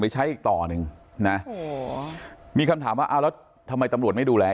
ไปใช้อีกต่อหนึ่งนะมีคำถามว่าทำไมตำรวจไม่ดูแล